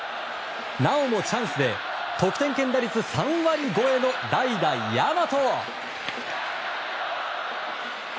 なおもチャンスで得点圏打率３割超えの代打、大和。